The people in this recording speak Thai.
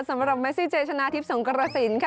สำหรับเมซี่เจชนะทิพย์สงกรสินค่ะ